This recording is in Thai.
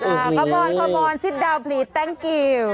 โอ้โฮโอ้โฮอ๊อโฮอ๊อโอ้โฮสิบเดี๋ยวขอขอบคุณครับ